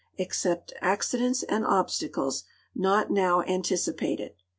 vcept accidents and obstacles not now anticipated.